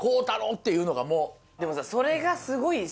でもさ。